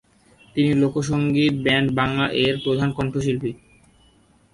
তিনি লোক সঙ্গীত ব্যান্ড বাংলা এর প্রধান কণ্ঠশিল্পী।